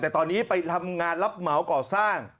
แต่ตอนนี้ไปทำงานรับเหมาก่อสร้าง